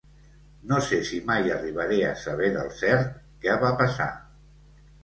No sé si mai arribaré a saber del cert què va passar.